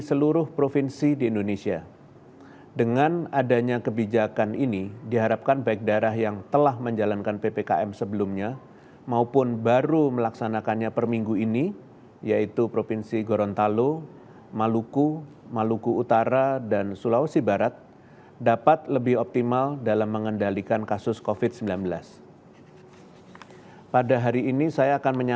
sehingga dapat berkontribusi